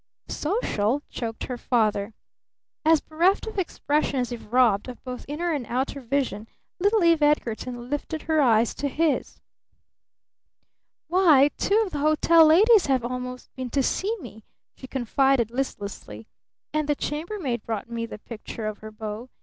"Social?" choked her father. As bereft of expression as if robbed of both inner and outer vision, little Eve Edgarton lifted her eyes to his. "Why two of the hotel ladies have almost been to see me," she confided listlessly. "And the chambermaid brought me the picture of her beau.